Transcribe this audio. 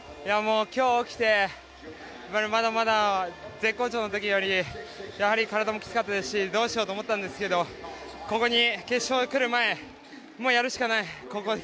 今日起きてまだまだ絶好調の時よりやはり体もきつかったですしどうしようと思ったんですけどここ、決勝に来る前、もうここに来たらやるしかない。